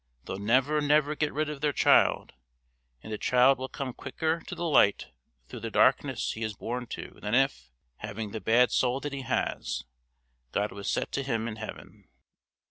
They'll never, never get rid of their child, and the child will come quicker to the light through the blackness he is born to than if, having the bad soul that he has, God was to set him in heaven.